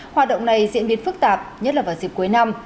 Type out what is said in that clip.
hoạt động này diễn biến phức tạp nhất là vào dịp cuối năm